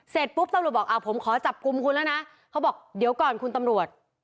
เสร็จปุ๊บตำรวจบอกอ่าผมขอจับกลุ่มคุณแล้วนะเขาบอกเดี๋ยวก่อนคุณตำรวจ